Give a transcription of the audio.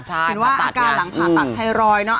เห็นว่าอาการหลังผ่าตัดไทรอยด์เนาะ